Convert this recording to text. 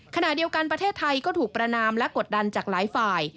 ขณะเดียวกันประเทศไทยก็ถูกประนามและกดดันจากหลายฝ่าย